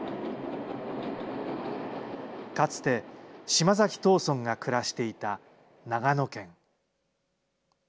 かつて、島崎藤村が暮らしていた長野県。